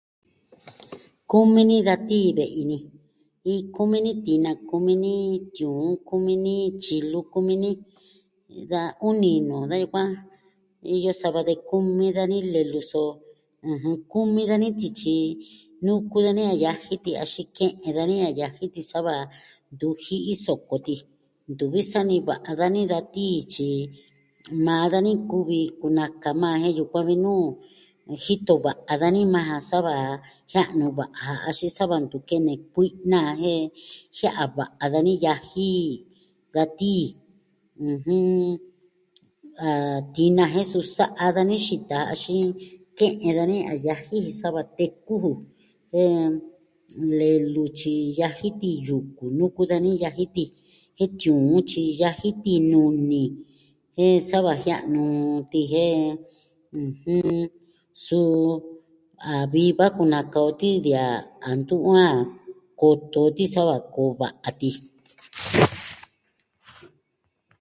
Kumi ni da tii ve'i ni, iin kumi ni tina, kumi ni tiuun, kumi ni tyilu, kumi ni da uni nuu da yukuan. Iyo sava de kumi dani lelu, so, ɨjɨn, kumi dani tityi, nuku dani a yaji ti axin ke'en dani a yaji ti sa va ntu ji'i soko ti. Ntu vi sani va'a dani da tii, tyi maa dani kuvi kunaka maa jen yukuan vi nuu jito va'a dani majan sa va jia'nu va'a ja axin sa va ntu kene kui'na jan jen jia'a va'a dani yaji da tii, ɨjɨn, a tina jen su sa'a dani xita, axin ke'en dani a yaji sa va teku ju. jen... lelu tyi yaji ti yuku, nuku dani yaji ti. Jen tiuun tyi yaji ti nuni, jen sa va jia'nu ti, jen, ɨjɨn, suu a vii va kunaka o tii de a ntu a koto ti sa va koo va'a ti.